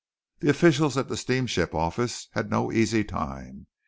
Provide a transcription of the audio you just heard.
The officials at that steamship office had no easy time.